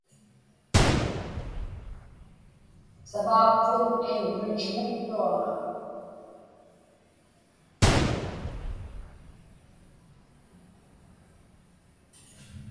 Savaapkun Anchorage-muktuaŋa.